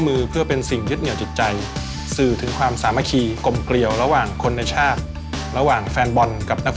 ชื่อปราปไตจักรเนี่ยเป็นชื่อของช้างศึกของพระเอกาทศรษฐ์ชื่อว่าเจ้าพระยาปราปไตจักร